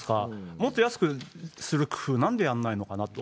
もっと安くする工夫、なんでやんないのかなと。